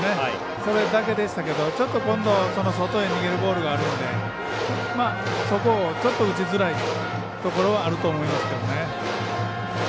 それだけでしたけどちょっと今度は外へ逃げるボールがあるのでそこを打ちづらいところはあると思いますけどね。